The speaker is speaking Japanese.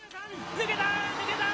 抜けた！